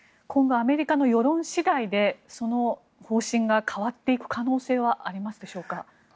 今後アメリカの世論次第でその方針が変わっていく可能性はありますでしょうか？